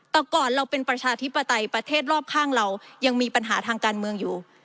แต่ก่อนเราเป็นประชาธิปไตยประเทศรอบข้างเรายังมีปัญหาทางการเมืองอยู่